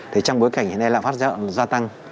thế trong bối cảnh hiện nay lạm pháp gia tăng